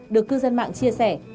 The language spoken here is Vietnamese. được cư dân mạng chia sẻ